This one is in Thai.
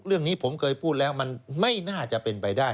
เรื่องนี้ผมเคยพูดแล้วมันไม่น่าจะเป็นไปได้